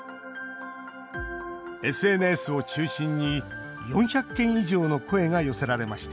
ＳＮＳを中心に４００件以上の声が寄せられました